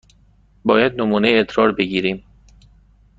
باید نمونه ادرار بگیریم.